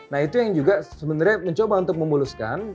nah itu yang juga sebenarnya mencoba untuk memuluskan